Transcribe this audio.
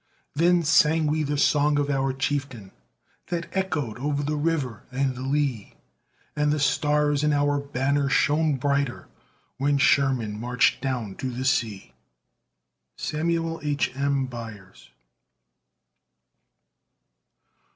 Then sang we the song of our chieftain, That echoed o'er river and lea, And the stars in our banner shone brighter When Sherman marched down to the sea. SAMUEL H. M. BYERS.